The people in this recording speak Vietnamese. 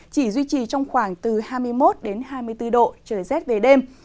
chỉ duy trì trong khoảng từ hai mươi một hai mươi bốn độ trời rét về đêm